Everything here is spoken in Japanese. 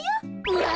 うわ。